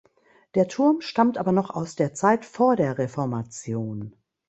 Der Turm stammt aber noch aus der Zeit vor der Reformation.